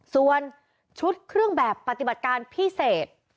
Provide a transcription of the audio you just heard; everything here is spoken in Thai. ส่วนชุดเครื่องแบบปฏิบัติการพิเศษ